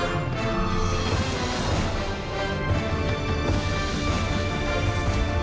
นั่นแหละ